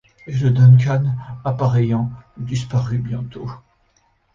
Et le Duncan, appareillant, disparut bientôt